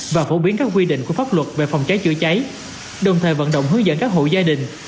và phổ biến các quy định của pháp luật về phòng cháy chữa cháy đồng thời vận động hướng dẫn các hộ gia đình